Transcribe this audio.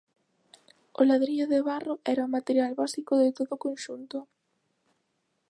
O ladrillo de barro era o material básico de todo o conxunto.